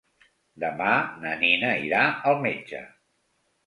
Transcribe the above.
Demà na Nina irà al metge.